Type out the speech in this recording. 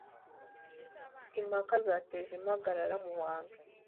Impaka zateje impagarara mubantu